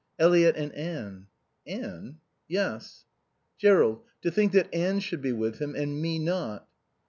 "Eliot and Anne." "Anne?" "Yes." "Jerrold, to think that Anne should be with him and me not."